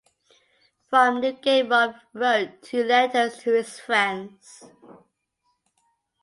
From Newgate Rough wrote two letters to his friends.